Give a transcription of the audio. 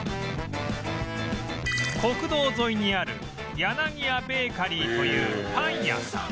国道沿いにある柳屋ベーカリーというパン屋さん